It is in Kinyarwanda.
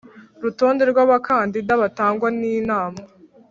rutonde rw abakandida batangwa n Inama